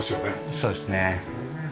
そうですね。